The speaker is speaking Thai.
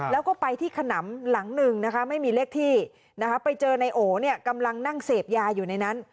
แล้วก็ไปที่ขนำหลังหนึ่งนะคะไม่มีเลขที่นะคะไปเจอนายโอเนี่ยกำลังนั่งเสพยาอยู่ในนั้น